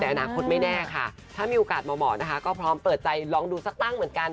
อนาคตไม่แน่ค่ะถ้ามีโอกาสเหมาะนะคะก็พร้อมเปิดใจลองดูสักตั้งเหมือนกัน